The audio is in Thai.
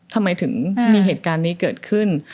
ทำไมถึงมีเหตุการณ์นี้เกิดขึ้น